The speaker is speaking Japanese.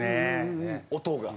音が。